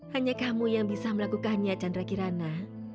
hanya kamu yang bisa melakukannya chandra kirana